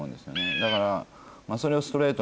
だから。